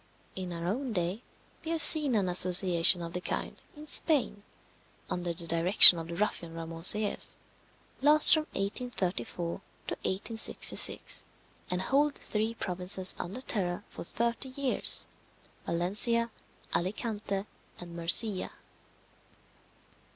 In our own day we have seen an association of the kind in Spain, under the direction of the ruffian Ramon Selles, last from 1834 to 1866, and hold three provinces under terror for thirty years Valencia, Alicante, and Murcia.